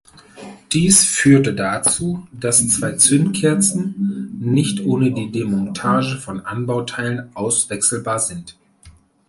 Dies führte dazu, dass zwei Zündkerzen nicht ohne die Demontage von Anbauteilen auswechselbar sind.